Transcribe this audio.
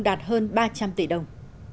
đạt hơn ba trăm linh tỷ đồng